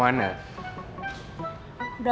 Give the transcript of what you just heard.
menyeramkan gue dulu